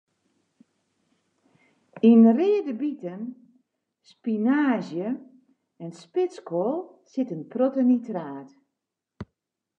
Yn reade biten, spinaazje en spitskoal sit in protte nitraat.